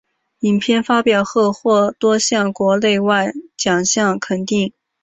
影片发表后获多项国内外奖项肯定。